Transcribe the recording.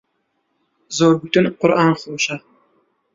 زۆر گۆتن قورئان خۆشە.